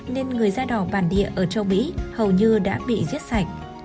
nên người da đỏ bản địa ở châu mỹ hầu như đã bị giết sạch